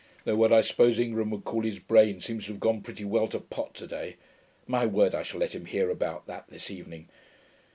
(Though what I suppose Ingram would call his brain seems to have gone pretty well to pot to day. My word, I shall let him hear about that this evening.)